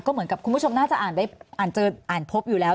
ก็เหมือนกับคุณผู้ชมน่าจะอ่านพบอยู่แล้ว